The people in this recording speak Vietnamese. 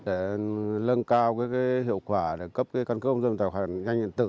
để lân cao hiệu quả để cấp căn cước công dân tài khoản định danh điện tử